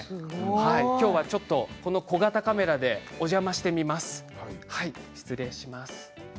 きょうは小型カメラでお邪魔します。